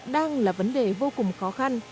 đang là vấn đề vô cùng khó khăn